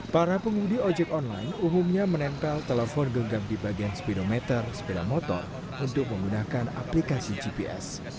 para pengemudi ojek online umumnya menempel telepon genggam di bagian speedometer sepeda motor untuk menggunakan aplikasi gps